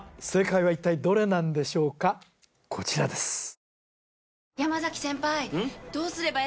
正解は一体どれなんでしょうかこちらです